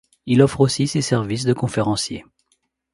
Il offre aussi ses services de conférencier.